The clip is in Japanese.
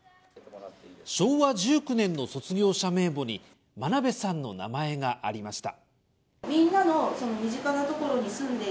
昭和１９年の卒業者名簿に真鍋さんの名前がありました。